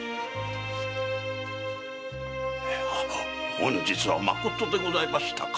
本日は誠でございましたか。